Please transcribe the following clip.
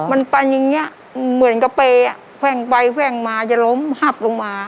มันปันอย่างนี้เหมือนกระเปยอ่ะแว่งไปแว่งมาจะล้มหับลงมา